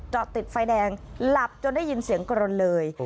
ติดไฟแดงหลับจนได้ยินเสียงกรนเลย